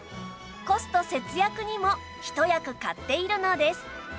コスト節約にも一役買っているのです